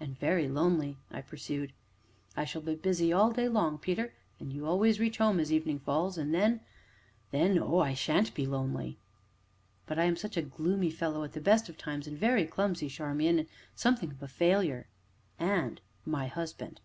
"And very lonely!" I pursued. "I shall be busy all day long, Peter, and you always reach home as evening falls, and then then oh! I sha'n't be lonely." "But I am such a gloomy fellow at the best of times, and very clumsy, Charmian, and something of a failure." "And my husband."